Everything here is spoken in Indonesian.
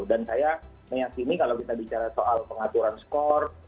dan saya menyaksikan kalau kita bicara soal pengaturan skor